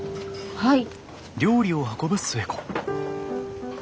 はい。